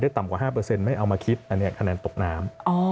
ต่ำกว่า๕ไม่เอามาคิดอันนี้คะแนนตกน้ำ